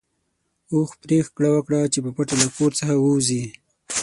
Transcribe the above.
اوښ پرېکړه وکړه چې په پټه له کور څخه ووځي.